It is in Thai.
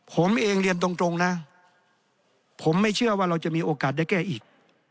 ผมเองเรียนตรงนะผมไม่เชื่อว่าเราจะมีโอกาสได้แก้อีก